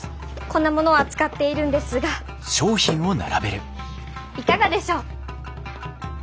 こんなものを扱っているんですがいかがでしょう？